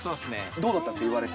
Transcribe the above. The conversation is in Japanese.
どうだったんですか、言われて。